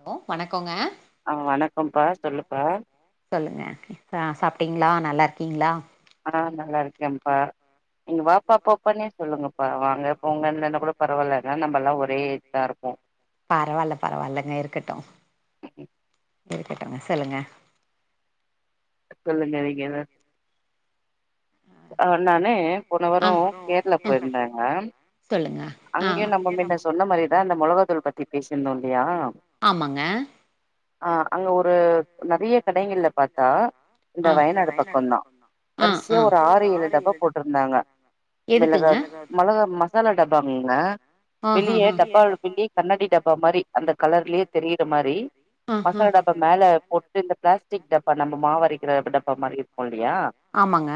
Hello வணக்கொங்க ஆ வணக்கம்ப்பா சொல்லுப்பா சொல்லுங்க அ சாப்ட்டீங்ளா நல்லாருக்கீங்ளா ஆ நல்லா இருக்கேப்பா நீங்க வாப்பா போப்பானே சொல்லுங்க பா வாங்க போங்கன்ன கூட பரவால்ல ஏனா நம்மல்லா ஒரே ஏஜ் தா இருப்போ பரவால்ல பரவால்லங்க இருக்கட்டூ இருக்கட்டூங்க சொல்லுங்க சொல்லுங்க நீங்க எதோ அ நானு போன வாரொ கேர்ளா போயிருந்தேங்க சொல்லுங்க ஆ அங்கேய நம்ம மின்ன சொன்ன மாரிதா அந்த மொளகாதூள் பத்தி பேசியிருந்தோ இல்லையா ங்க ஆ அங்க ஒரு நெறைய கடைங்ள்ல பாத்தா இந்த ஆ வயநாடு பக்கோந்தா ஆ வரிசையா ஆ ஒரு ஆறு ஏழு டப்பா போட்ருந்தாங்க எதுக்குங்க மிளகாத் மிளகா மசாலா டப்பாங்கங்க வெளிய ஆஹஹா டப்பா வெளிய கண்ணாடி டப்பா மாரி அந்த கலர்லயே தெரியிற மாரி மசாலா டப்பா மேல போட்டு இந்த பிளாஸ்டிக் டப்பா நம்ம மாவரைக்கற டப்பா மாரி இருக்கு இல்லையா ஆமங்க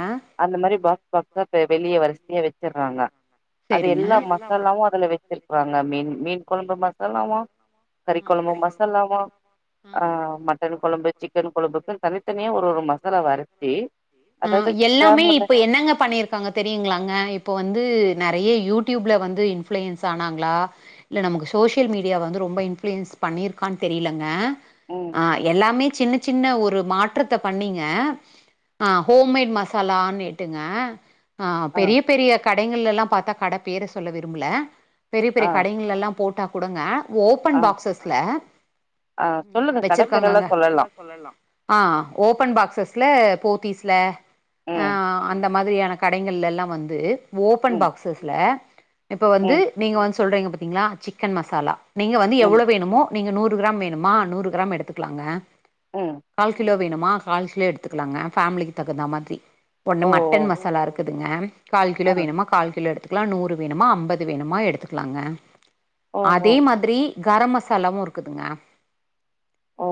அந்த மாரி பாக்ஸ் பாக்ஸா பெ வெளிய வரிசையா வச்சுட்றாங்க அது சேரிங்க எல்லா மசாலாவு அதுல வச்சி றாங்க அரச்சிருக்காங்க. மீன் மீன் குழம்பு மசாலாவா கறி ம் கொழம்பு ம் கறி கொழம்பு சிக்கன் கொழம்புக்குன் தனித்தனியா ஒரு ஒரு மசாலாவ அரைச்சி அதாவது மே கிராம்புல இப்ப என்னங்க பண்ணியிருக்காங்க தெரியுங்ளாங்க இப்போ வந்து நெறைய யூடியூப்ல வந்து இன்ஃப்ளுூயன்ஸ் ஆனாங்ளா இல்ல நமக்கு சோசியல் மீடியாவ வந்து ரொம்ப இன்ஃப்ளூயன்ஸ் பண்ணிருக்கான் தெரிலங்க ம் அ எல்லாமே சின்ன சின்ன ஒரு மாற்ற த்த பண்ணீங்க ஆ ஹோமேட் மசாலானிட்டுங்க ஆ பெரிய பெரிய கடைங்கள்லலா பாத்தா கட பேர சொல்ல விரும்புல பெரிய ஆ பெரிய கடைங்கலெல்லா போட்டா குடங்க ஆ ஓபன் பாக்சஸ்ல ஆ சொல்லுங்க கட பேரெல்லா வச்சிருக்காங்கங்க சொல்லலா ஆ ஓப்பன் பாக்சஸ்ல போத்தீஸ்ல ஆ ம் அந்த மாதிரியான கடைங்கள்லெல்லா வந்து ஓப்பன் ம் பாக்ஸஸ்ல இப்ப வந்து ம் நீங்க வந் சொல்றீங்க பத்தீங்ளா சிக்கன் மசாலா நீங்க வந்து எவ்ளோ ம் வேணுமோ நீங்க நூறு கிராம் வேணுமா நூறு கிராம் எடுத்துக்லாங்க ம் கால் கிலோ வேணுமா கால் கிலோ எடுத்துகலாங்க ஃபேமலிக்கு தகுந்த மாதிரி ஒண்ணு ஓ ஓ மட்டன் மசாலா இரு க்குதுங்க கால் கிலோ ஆ வேணுமா கால் கிலோ எடுத்துக்லா நூறு வேணுமா அம்பது வேணுமா எடுத்துக்லாங்க ஓ ஓ அதே மாத்ரி கரம் மசாலாவு இருக்குதுங்க ஓ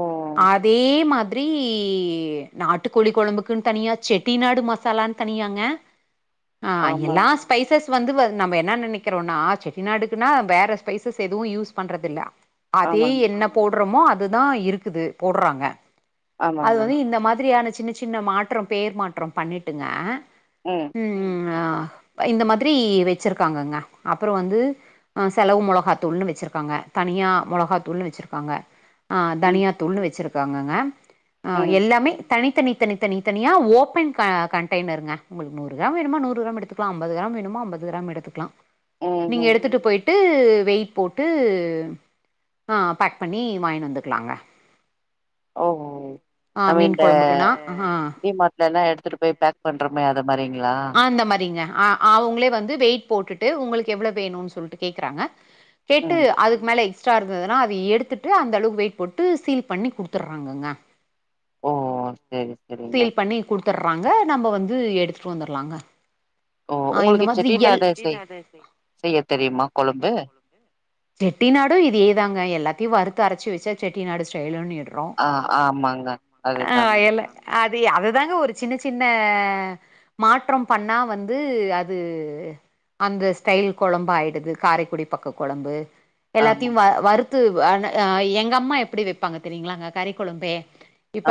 அதே மாதிரி [unintelligible] நாட்டுக்கோழி கொழம்புக்குன் தனியா செட்டி நாடு மசாலான் தனியாங்க ஆ ஆமாங் எல்லாஸ் பைசஸ் வந்து வ நம்ப என்னா நெனைக்றோனா செட்டிநாடுக்குனா வேற ஸ்பைசஸ் எதுவு யூஸ் பண்றதில்ல அதே ஆமாங் என்ன போட்றமோ அது தா இருக்குது போட்றாங்க அது ஆமாங்க வந்து இந்த மாதிரியான சின்ன சின்ன மாற்றம் பேர் மாற்றம் பண்ணிட்டுங்க ம் ம் ம் ஆ இந்த மாதிரி வச்சிருக்காங்கங்க அப்றோ வந்து அ செலவு மொளகாதூள்னு வச்சிருக்காங்க தனியா மொளகாதூள்னு வச்சிருக்காங்க ஆ ம் தனியா தூள்னு வச்சுருகாங்கங்க அ ம் எல்லாமே தனி தனி தனி தனி தனியா ஓப்பன் க கண்டைனருங்க உங்ளுக் நூறு கிராம் வேணுமா நூறு கிராம் எடுத் க்லா அம்பது கிராம் வேணுமா அம்பது கிராம் எடுதுக்லா ம் நீங்க ம் எடுத்துட்டு போயிட் டு வெயிட் போட்டு ஆ பேக் பண்ணி வாங்கினு வந்துக்லாங்க ஓ ஆ நம்ம மீன் இந்த குழம்புக்குன்னா டி மாட்லலா எடுத்துட்டு போயி பேக் பண்றோமே அது மாரிங்களா ஆ அந்த மரிங்க ஆ அவுங்ளே வந்து வெயிட் போட்டுட்டு உங்களுக் எவ்ளோ வேணுன் சொல்ட்டு கேக்குறாங்க கேட்டு ம் அதுக்கு மேல எக்ஸ் ட்ரா இருந்ததுனா அத எடுத்துட்டு அந்தளவுக் வெயிட் போட்டு சீல் பண்ணி குடுத்துர்றாங்கங்க ஓ செரி செரிங்க சீல் பண்ணி குடுதுர்றாங்க நம்ம வந்து எடுத்துட்டு வந்துர்லாங்க ஓ ஆ இந்த உங்களுக்கு மாதிரி எல் செட்டிநாடு செய் செய்ய தெரியுமா கொழம்பு செட்டி நாடு இதே தாங்க எல்லாத்தையு வறுத்து அரச்சி வெச்சா செட்டி நாடு ஸ்டைலு இன்னிரோ ஆ ஆமாங்க அது தாங்க வயல்ல அது அதுதாங்க ஒரு சின்ன சின்ன மாற்றம் பண்ணா வந்து அது அந்த ஸ்டைல் கொழம்பு ஆயிடுது காரைக்குடி பக்க கொழம்பு ஆமா எல்லாதையு வ வருத்து ஆன அ எங்க அம்மா எப்டி வெப்பாங்க தெரிங்ளாங்க கறிக்கொழம்பே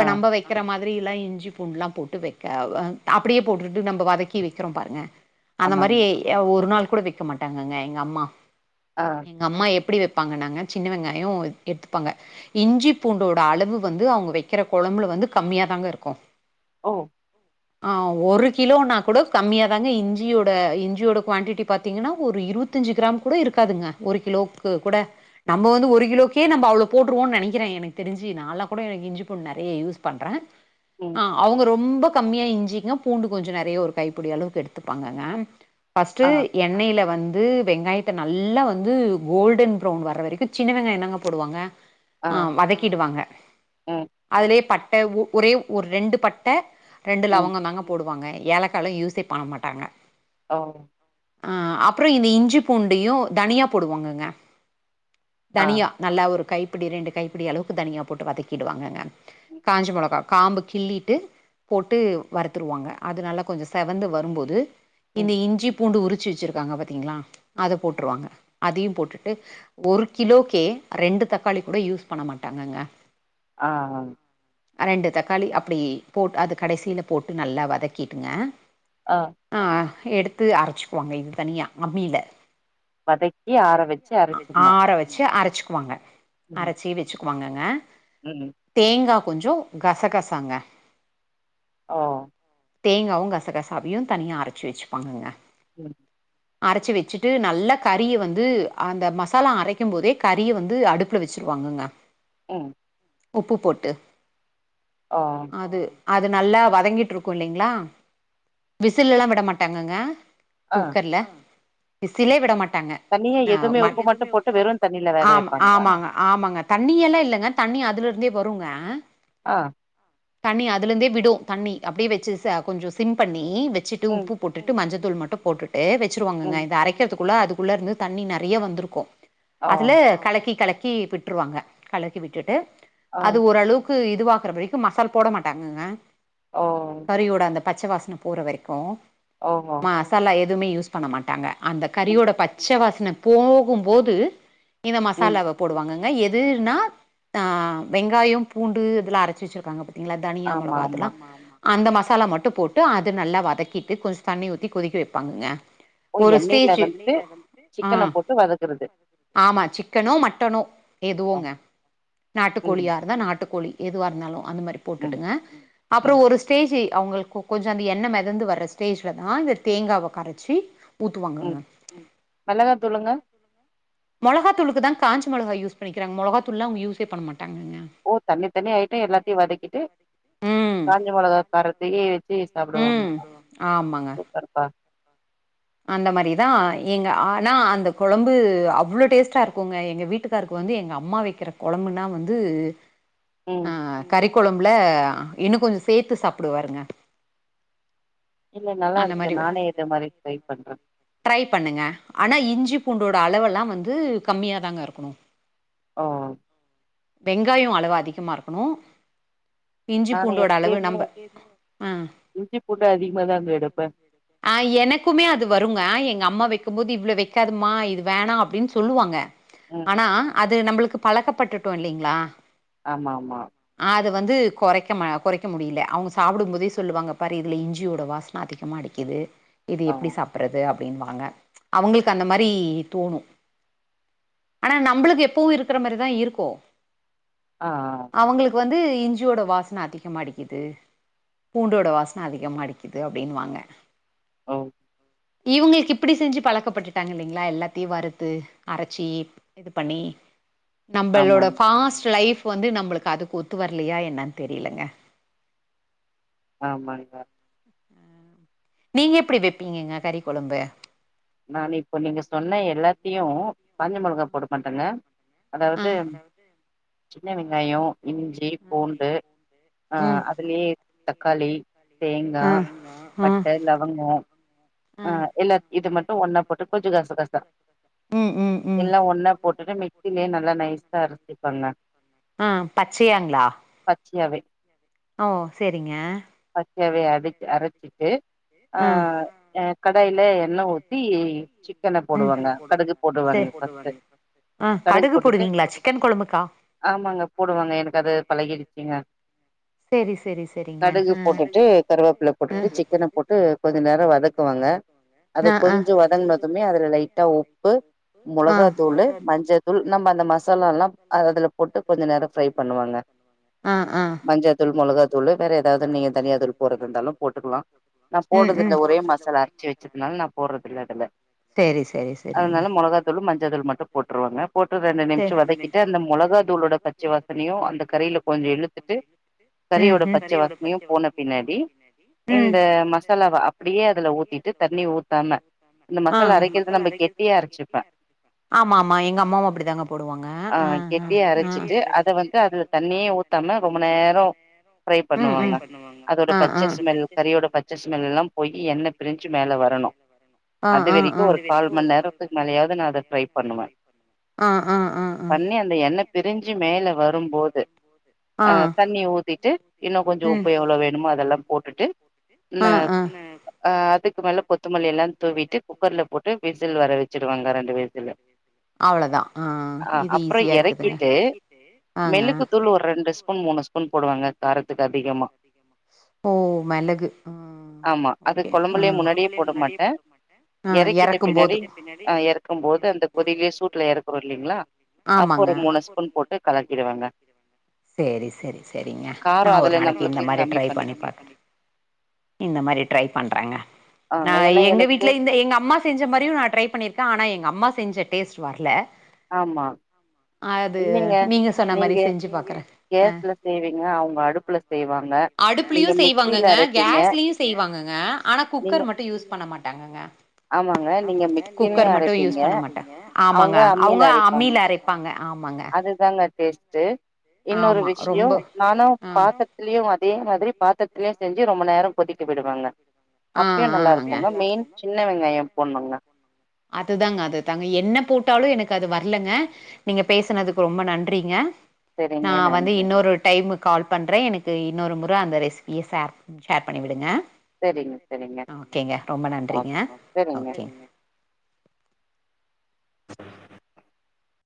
ஆ நம்ப வெக்கிற மாரி கறிலா இஞ்சி பூண்டுலா போட்டு வெக்க அ அப்டியே போட்டுட்டு நம்ப வதக்கி வெக்கிறோ பாருங்க அந்த மாரி ஆமாங்க அ ஒரு நாள் கூட வெக்க மாட்டாங்கங்க எங்க அம்மா ஆ எங்க அம்மா எப்டி வெப்பாங்கனாங்க சின்ன வெங்காயோ எத்துப்பாங்க இஞ்சி பூண்டோட அளவு வந்து அவுங்க வெக்கிற கொழம்புல வந்து கம்மியாதாங்க இருக்கோ ஓ ஆ ஒரு கிலோனா கூட கம்மியா தாங்க இஞ்சியோட இஞ்சியோட குவான்டிட்டி பாத்தீங்கனா ஒரு இருவத் தஞ்சி கிராம் கூட இருக்காதுங்க ஒரு கிலோவுக்கு கூட நம்ப வந்து ஒரு கிலோக்கே நம்ப அவ்ளோ போட்டுருவோ நெனைக்கிற எனக் தெரிஞ்சி நாளா கூட எனக்கு இஞ்சி பூண்டு நறைய யூஸ் பண்ற ம் ஆ அவுங்க ரொம்ப கம்மியா இஞ்சிங்க பூண்டு கொஞ்சோ நெறைய ஒரு கைப்பிடி அளவுக்கு எடுத்துப்பாங்கங்க ஃபர்ஸ்ட்டு ஆ என் எண்ணெயில வந்து வெங்காயத்த நல்லா வந்து கோல்டன் ப்ரௌன் வர்ற வரைக்கு சின்ன வெங்காயோ தாங்க போடுவாங்க ஆ வதக்கிடுவாங்க ம் அதுலயே பட்ட உ ஒரே ஒரு ரெண்டு பட்ட ரெண்டு ம் லவங்கோ தாங்க போடுவாங்க ஏலக்காலா யூஸே பண்ண மாட்டாங்க அ அ அப்பறோ இந்த இஞ்சி பூண்டையு தனியா போடுவாங்கங்க ஆ தனியா நல்லா ஒரு கைப்பிடி ரெண்டு கைப்பிடி அளவுக்கு தனியா போட்டு வதக்கிடுவாங்கங்க ம் காஞ்ச மொளகா காம்பு கிள்ளிட்டு போட்டு வறுத்துருவாங்க அத நல்லா கொஞ்சோ செவந்து வரும்போது ம் இந்த இஞ்சி பூண்டு உரிச்சு வெச்சிருக்காங்க பாத்தீங்களா அத போட்டுருவாங்க அதையு போட்டுட்டு ஒரு கிலோக்கே ரெண்டு தக்காளி கூட யூஸ் பண்ண மாட்டாங்கங்க ஆ ஆ ரெண்டு தக்காளி அப்டியே போட்டு அது கடைசியில போட்டு நல்லா வதக்கிட்டுங்க ஆ ஆ எடுத்து அரைச்சிக்குவாங்க இது தனியா அம்மியில வதக்கி ஆற வச்சு அரைச்சிடணு ஆற வெச்சு அரச்சுக்குவாங்க ம் அரச்சி வெச்சுக்குவாங்கங்க ம் தேங்கா கொஞ்சோ கசகசாங்க ஆ தேங்காவு கசகசாவியு தனியா அரச்சி வெச்சுப்பாங்கங்க ம் அரச்சு வெச்சுட்டு நல்லா கறிய வந்து அந்த மசாலா அரைக்கும் போதே கறிய வந்து அடுப்புல வெச்சிருவாங்கங்க ம் உப்புப் போட்டு ஆ அது அது நல்லா வதங்கிட்ருக்கு இல்லிங்ளா விசிலெல்லா விடமாட்டாங்கங்க ஆ குக்கர்ல விசிலே விட மாட்டாங்க தனியா நா எதுவுமே மட் உப்பு மட்டு போட்டு வெறு தண்ணில வேக ஆம் வைப்பாங்களா ஆமாங்க ஆமாங்க தண்ணியல்லா இல்லங்க தண்ணி அதுலருந்தே வருங்க ஆ தண்ணி அதுலந்தே விடு தண்ணி அப்டி வச்சு ச கொஞ்சொ சிம் பண்ணி வச்சுட்டு ம் உப்பு போட்டுட்டு மஞ்சத்தூள் மட்டு போட்டுட்டு வச்சுருவாங்கங்க ம் இது அரைக்கிறதுக்குள்ள அது உள்ளருந்து தண்ணி நறைய வந்துருக்கு ஓ அதுல கலக்கி கலக்கி விட் ட்ருவாங்க கலக்கி விட்டுட்டு ஓ அது ஓரளவுக்கு இதுவாகுற வரைக்கும் மசால் போட மாட்டாங்கங்க ஓ கறியோட அந்த பச்ச வாசன போற வரைக்கு ஓஹோ ம சாலா எதுமே யூஸ் பண்ண மாட்டாங்க அந்த ம் கறியோட பச்ச வாசன போகும்போது இந்த ம் மசாலாவ போடுவாங்கங்க எதுன்னா ஆ வெங்காயோ பூண்டு இதுல அர ச்சு வச்சிருக்காங்க பாத்தீங்ளா தனியா ஆமா மொளகா அதுலா ஆமா அந்த மசாலா மட்டு போட்டு அது நல்லா வதக்கிட்டு கொஞ்ச தண்ணி ஊத்தி கொதிக்க வெப்பாங்கங்க ஓ எண்ணெய்ல வந்துட்டு சிக்கன ஆ போட்டு வதக்குற ஆமா சிக்கனோ மட்டனோ ஆ எதுவோங்க ம் நாட்டுக்கோழியாருந்தா நாட்டுக்கோழி எதுவாருந்தாலு அந்த மாரி ம் போட்டுட்டுங்க அப்றோ ம் ஒரு ஸ்டேஜி அவுங்களுக்கு கொஞ்சொ அந்த எண்ண மெதந்து வர்ற ஸ்டேஜ்ல தா இந்த தேங்காவ கர ச்சி ம் ஊத்துவாங்கங்க மெளகா தூளுங்க மொளகாத் தூளுக்கு தா காஞ்ச மொளகா யூஸ் பண்ணிக்கிறாங்க மொளகா தூள்லா அவுங்க யூஸே பண்ண மாட்டாங்கங்க ஓ தனி தனி ஐட்டோ எல்லாத்தையு வதக்கிட்டு ம் காஞ்ச மொளகா காரத்தயே வச்சு சாப்டுவாங்க ம் அப்புறம் ஆமாங்க சூப்பர்ப்பா அந்த மாரிதா ஏங்க ஆனா அந்த கொழம்பு அவ்ளோ டேஸ்ட்டாருக்குங்க எங்க வீட்டுக் காருக்கு வந்து எங்க அம்மா வெக்கிற கொழம்புனா வந்து ம் கறிக்கொழம்புல இன்னு கொஞ்சோ சேத்து சாப்டுவாருங்க இல்ல அந்த நல்லாருக்கு மாரி நானே இத மாரி ட்ரை பண்றே ட்ரை பண்ணுங்க ஆனா இஞ்சி பூண்டோட அளவல்லா வந்து கம்மியா தாங்க இருக்னு ஓ வெங்காயோ அளவு அதிகமா இருக்கனு இஞ்சி நானு பூண்டோட அளவு எப்பயுமே நம்ப ஆ இஞ்சி பூண்டு அதிகமா தாங்க எடுப்பே ஆ எனக் குமே அது வருங்க எங்க அம்மா வெக்கும்போது இவ்ளோ வெக்காதமா இது வேணா அப்டின் சொல்லுவாங்க ம் ஆனா அது நம்ளுக்கு பழக்கப்பட்டுட்டோ இல்லிங்ளா ஆமாமா அது வந்து கொறைக்க ம கொறைக்க முடில்ல அவுங்க சாப்டும் போதே சொல்லுவாங்க பாரு இதுல இஞ்சியோட வாச அதிகமா அடிக்கிது இது ஓ எப்டி சாப் ப்றது அப்டின்வாங்க அவுங்ளுக்கு அந்த மாரி தோனு ஆனா நம்ளுக்கு எப்பவு இருக்ற மாரிதா இருக்கு ஆ ஆ அவங்ளுக்கு வந் து இஞ்சியோட வாசன அதிகமா அடிக்கிது பூண்டோட வாசன அதிகமா அடிக்கிது அப்டின்வாங்க ஓ இவ்ங்ளுக்கு இப்டி செஞ்சு பழக்கப்பட்டுட்டாங்க இல்லிங்ளா எல்லாத்தியு வறுத்து அரச்சி இது பண்ணி நம்பளோட ஆமாங் ஃபாஸ்ட் லைப் வந்து நம்பளுக்கு அதுக்கு ஒத்து வரலயா என்னனு தெரிலங்க ஆம்மாங்க நீங்க எப்டி வெப்பீங்கங்க கறி கொழம்பு நானு இப்ப நீங்க சொன்ன எல்லாத்தியூ காஞ்ச மொளகா போட மாட்டங்க ஆ அதாவது சின்ன வெங்காயோ இஞ் சி பூண்டு அ ம் அதுலயே தக்காளி தேங்கா ஆ ஆ பட்ட லவங்கோ ஆ எல்லா இது மட்டு ஒன்னா போட்டு கொஞ்சோ கச கசா ம் ம் ம் எல்லா ஒன்னா போட்டுட்டு மிக்ஸிலே நல்லா நைஸா அரச்சிக்கோங்க அ பச்சையாங்ளா பச்சயாவே ஓ சேரிங்க பச்சயாவே அடி அரைச்சிட்டு ஆ கடாயிலே எண்ண ஊத்தி சிக்கன ம் போடுவாங்க கடுகு போடுவாங்க ஃபஸ்டு அ கடுகு போடுவீங்களா சிக்கன் கொழம்புக்கா ஆமாங்க போடுவாங்க எனக்கு அது பழகீடுச்சுங்க செரி செரி செரிங்க கடுகு ஆ போட்டுட்டு கருவேப்பில போட்டுட்டு சிக்கன போட்டு கொஞ்ச நேரோ வதக் குவாங்க போட்டு அது ஆ ஆ கொஞ்சோ வதங்குனதுமே அதுல லைட்டா உப்பு ஆ மொளகா தூளு மஞ்ச தூள் நம்ம அந்த மசாலால்லா அ அதுல போட்டு கொஞ்ச நேரோ ஃப்ரை பண்ணுவாங்க அ அ தூள் மொளகா தூளு வேற ஏதாவது நீங்க தனியா தூள் போடறதா இருந்தாலு போட்டுக்கலா நா ம் போட்றதுள்ள ம் ஒரே மஸ் சாலா அரச்சி வெச்சதுனால நா போடுறதுல்ல இதுல செரி செரி செரிங்க அதுனால மொளகா தூளு மஞ்ச தூளு மட்டு போட்ருவங்க போட்டு ரெண்டு நிம்ஷோ வதக்கிட்டு அந்த மொளகா தூளோட பச்ச வாசனையூ அந்த கறீல கொஞ்சோ இழுத்துட்டு ம் ம் கறியோட பச்ச வாசனையூ போன பின்னாடி ம் இந்த மசாலாவ அப் படியே அதுல ஊத்திட்டு தண்ணி ஊத்தாம ஆ இந்த மசாலா அரைக்கிறது நம்ம கெட்டியா அரசிப்ப ஆமாம்மா எங்க அம்மாவூ அப்டி தாங்க போடுவாங்க அ அ அ து அத வந்து அதுல தண்ணியே ஊத்தாம ரொம்ப நேரோ ஃப்ரை பண்ணுவாங்க அதோட பச்ச ஸ்மெல் கறியோட பச்ச ஸ்மெல் எல்லா போயி எண்ண பிரிஞ்சு மேல வரணு ஆ அது ஆ வரைக்கு ஆ ஒரு கால் மண் நேரத்துக்கு மேலயாவது நா அத ட்ரை பண்ணுவ பண்ணு ஆ ஆ ஆ ஆ பண்ணி அந்த எண்ணெ பிரிஞ்சு மேல வரும்போது ஆ அ தண் ணீ ஊத்திட்டு இன்னு கொஞ்சோ உப்பு எவ்வளோ வேணுமோ அதல்லா போட்டுட்டு இன்ன ஆ ஆ அ அதுக்கு மேல கொத்தமல்லி எல்லா தூவிட்டு குக்கர்ல போட்டு விசில் வர வெச்சிடுவங்க ரெண்டு விசிலு அவ்ளோதா ஆ அ இது அப்பறோ எறக்ககீட்டு ஆங்க மெளுக்கு தூள் ஒரு ரெண்டு ஸ்பூன் மூணு ஸ்பூ பூண் போடுவாங்க காரத்துக்கு அதிகமா ஓ ஆமா அது கே அ கொழம்புலே முன்னாடியே போட மாட்ட எறக்கீட்ட பின்னாடி அ எறக்கும் போது அந்த கொதிலே சூட்டுல எறக்கறோ இல்லிங்களா ஆமா ஒரு மூணு ஸ்பூன் போட்டு கலக்கிடுவங்க சேரி சேரி சேரிங்க நா காரம் ஒரு அதுல நாளைக்கு இந்த நம்பளுக்கு மாரி கம்மி ட்ரை பண்ணி பாக்கற இந்த மாரி ட்ரை பண்றங்க ஆ நா ஏன்னா எங்க எனக்கு வீட்டு்ல இந்த எங்க அம்மா செஞ்ச மாரியு நா ட்ரை பண்ணிருக்க அனா எங்க அம்மா செஞ்ச டேஸ்ட் வரல ஆமா. ஆமா அது இல்லைங்க. நீங்க சொன்ன மாரி செஞ்சு பாக்கற அ கேஸ்ல செய்வீங்க, செய்வீங்களா அடுப்புல அவுங்க செய்வாங்க. அடுப்புல [inaudible] அடுப்புலயு நீங்க மிக்ஸில செய்வாங்கங்க அரைப்பீங்க. கேஸ்லயு செய்வாங்கங்க அனா நீங்க குக்கர் மட்டு யூஸ் பண்ண மாட்டாங்கங்க ஆமாங்க. நீங்க குக்கர் மிக்ஸிலயும் மட்டு அரைப்பீங்க. யூஸ் பண்ண மாட்டே ஆமாங்க அம்மில அவுங்க அரைப்பாங்க. அம்மில அரை பாங்க ஆமாங்க அதுதாங்க டேஸ்ட்டு இன்னொரு ஆமா விஷ்யோ ரொம்ப நானு ஆ பாத்த திலியு அதே மாதிரி பாத்தரத்திலயே செஞ்சு ரொம்ப நேரம் கொதிக்க விடுவாங்க ஆ அப்பயு நல்லா ஆங்க இருக்குங்க மெயின் சின்ன வெங்காயம் போடணுங்க அதுதாங்க அதுதாங்க என்ன போட்டாலு எனக்கு அது வரலங்க நீங்க பேசனதுக்கு ரொம்ப நன்றிங்க நா சரிங்க வந்து நன்றி இன்னொரு டைமு கால் பண்றே எனக்கு இன்னொரு முற அந்த ரெசிபிய ஷேர் ஷேர் பண்ணி விடுங்க சரிங்க சரிங்க ஓகேங்க ரொம்ப ஓ நன்றிங்க சரிங்க ஓகேங்